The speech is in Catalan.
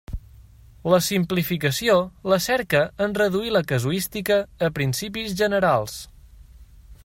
La simplificació la cerca en reduir la casuística a principis generals.